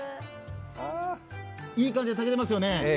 いい感じで炊けてますね。